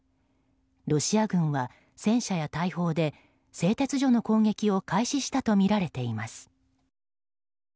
ロシア軍は戦車や大砲で製鉄所の攻撃を開始したとみられています。